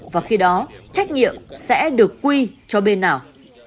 và khi đó trách nhiệm sẽ được quy cho bên nào